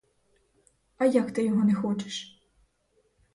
А як ти його не хочеш?